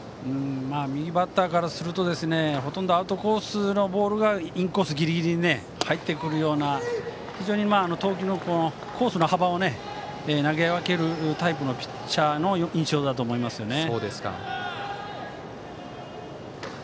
右バッターからするとほとんどアウトコースのボールがインコースギリギリに入ってくるような非常に投球のコースの幅を投げ分けるタイプのピッチャーの印象だと思いますよね。